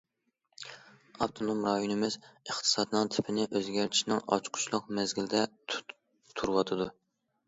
ئاپتونوم رايونىمىز ئىقتىسادنىڭ تىپىنى ئۆزگەرتىشنىڭ ئاچقۇچلۇق مەزگىلىدە تۇرۇۋاتىدۇ.